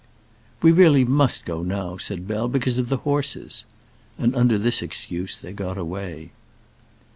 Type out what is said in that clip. "We really must go now," said Bell, "because of the horses." And under this excuse they got away.